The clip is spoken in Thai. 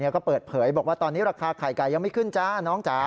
ก็เปิดเผยบอกว่าตอนนี้ราคาไข่ไก่ยังไม่ขึ้น